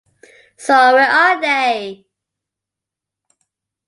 So Where Are They?